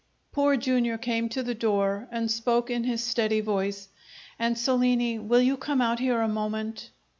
Poor Jr. came to the door and spoke in his steady voice. "Ansolini, will you come out here a moment?"